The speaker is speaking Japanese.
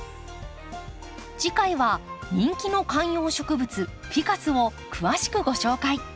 次回は人気の観葉植物フィカスを詳しくご紹介。